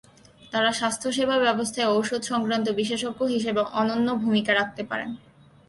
তাঁরা স্বাস্থ্যসেবা ব্যবস্থায় ঔষধ-সংক্রান্ত বিশেষজ্ঞ হিসেবে অনন্য ভূমিকা রাখতে পারেন।